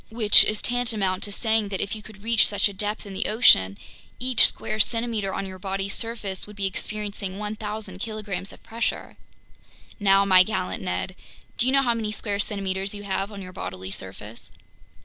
Which is tantamount to saying that if you could reach such a depth in the ocean, each square centimeter on your body's surface would be experiencing 1,000 kilograms of pressure. Now, my gallant Ned, do you know how many square centimeters you have on your bodily surface?"